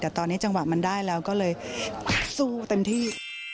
แต่ตอนนี้จังหวะมันได้แล้วก็เลยสู้เต็มที่